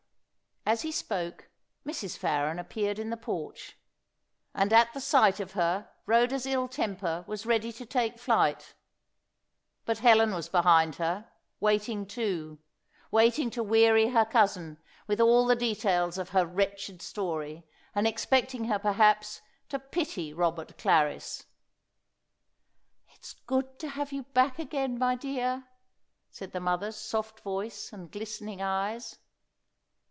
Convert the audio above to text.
As he spoke, Mrs. Farren appeared in the porch, and at the sight of her Rhoda's ill temper was ready to take flight. But Helen was behind her, waiting too waiting to weary her cousin with all the details of her wretched story, and expecting her, perhaps, to pity Robert Clarris. "It's good to have you back again, my dear," said the mother's soft voice and glistening eyes.